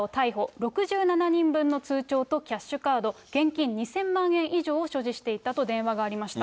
６７人分の通帳とキャッシュカード、現金２０００万円以上を所持していたと電話がありました。